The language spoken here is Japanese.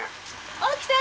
起きて！